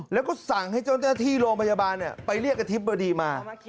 แล้วก็สั่งให้เจ้าหน้าที่โรงพยาบาลไปเรียกอธิบดีมา